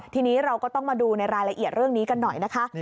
ทีนี้เราก็ต้องมาดูในรายละเอียดเรื่องนี้กันหน่อยนะคะ